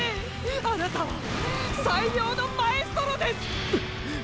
あなたは最良のマエストロです！！っ！！